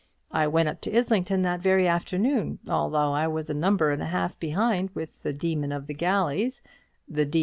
I went up to Islington that very afternoon, although I was a number and a half behind with 'The Demon of the Galleys' ('The D.